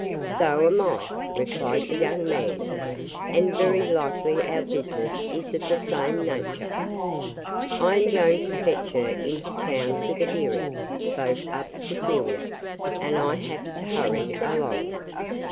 "So am I," replied the young man, "and very likely our business is of the same nature." "I am going to fetch her into town to the hearing," spoke up Cecilia, "and I have to hurry along."